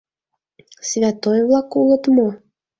— Святой-влак улыт мо?